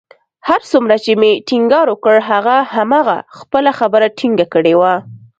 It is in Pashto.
هر څومره چې مې ټينګار وکړ، هغه همهغه خپله خبره ټینګه کړې وه